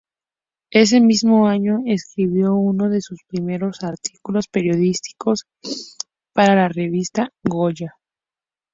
Ese mismo año escribió uno de sus primeros artículos periodísticos, para la revista "Goya".